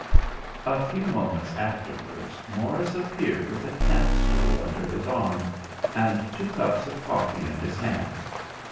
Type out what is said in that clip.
A few moments afterwards, Morris appeared with a camp stool under his arm, and two cups of coffee in his hands.